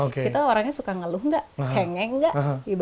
kita orangnya suka ngeluh nggak cengeng nggak